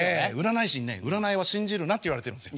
占い師にね占いは信じるなって言われてるんですよ。